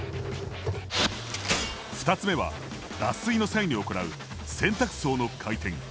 ２つ目は脱水の際に行う洗濯槽の回転。